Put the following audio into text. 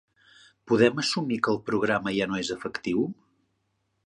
Podem assumir que el programa ja no és efectiu?